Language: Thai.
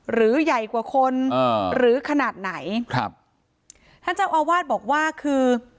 หรือใหญ่กว่าคนอ่าหรือขนาดไหนครับท่านเจ้าอาวาสบอกว่าคือ